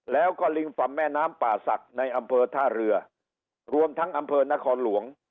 แล้วก็ริมฝั่งแม่น้ำป่าศักดิ์ในอำเภอท่าเรือรวมทั้งอำเภอนครหลวง